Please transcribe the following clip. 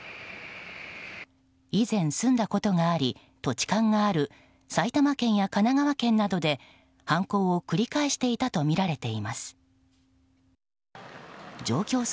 以前住んだことがあり土地勘がある埼玉県や神奈川県などで、犯行を繰り返していたとみられています。